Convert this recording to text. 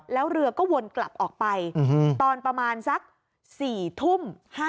แล้วเรือก็วนกลับออกไปตอนประมาณสัก๔ทุ่ม